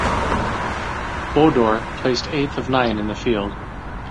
Bodor placed eighth of nine in the field.